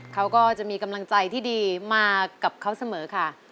เขาก็จะมีกำลังใจที่ดีมากับเขาเสมอค่ะ